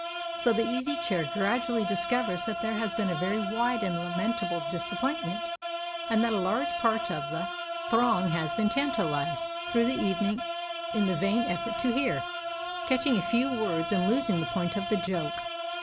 So the Easy Chair gradually discovers that there has been a very wide and lamentable disappointment, and that a large part of the throng has been tantalized through the evening in the vain effort to hear catching a few words and losing the point of the joke.